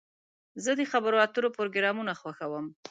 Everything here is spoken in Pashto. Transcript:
زه د خبرو اترو پروګرامونه خوښوم.